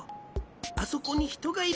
あそこにひとがいる。